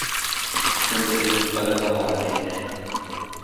ما الذي قلبها عليك ؟